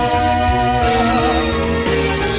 แน่แน่รู้เหรอ